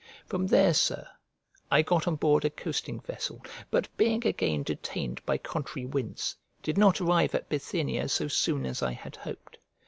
From there, Sir, I got on board a coasting vessel, but, being again detained by contrary winds, did not arrive at Bithynia so soon as I had hoped.